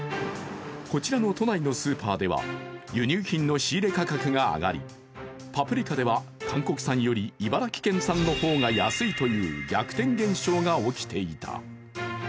こちらの都内のスーパーでは輸入品の仕入れ価格が上がりパプリカでは韓国産より茨城県産の方が安いという逆転現象が起きていた。